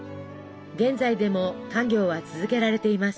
現在でも家業は続けられています。